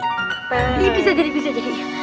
ini bisa jadi bisa jadinya